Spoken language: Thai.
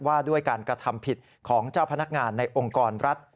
ว่าด้วยการกระทำผิดของเจ้าพนักงานในองค์กรรัฐ